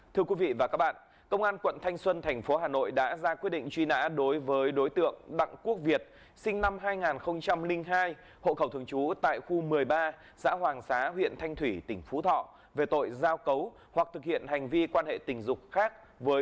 thưa quý vị và các bạn công an quận thanh xuân thành phố hà nội đã ra quyết định truy nã đối với đối tượng đặng quốc việt sinh năm hai nghìn hai hộ khẩu thường trú tại khu một mươi ba xã hoàng xá huyện thanh thủy tỉnh phú thọ về tội giao cấu hoặc thực hiện hành vi quan hệ tình dục khác